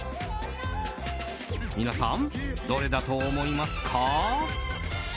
皆さん、どれだと思いますか？